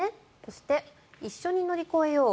そして、一緒に乗り越えよう。